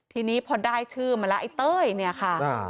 ทีนี้พอได้ชื่อมาแล้วไอ้เต้ยเนี่ยค่ะ